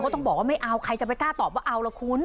ต้องบอกว่าไม่เอาใครจะไปกล้าตอบว่าเอาล่ะคุณ